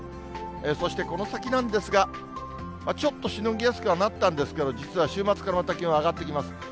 そしてこの先なんですが、ちょっとしのぎやすくはなったんですけど、週末からまた気温が上がっていきます。